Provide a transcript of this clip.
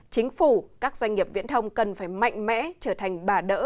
chính phủ các doanh nghiệp viễn thông cần phải mạnh mẽ trở thành bà đỡ